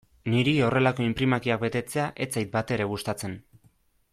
Niri horrelako inprimakiak betetzea ez zait batere gustatzen.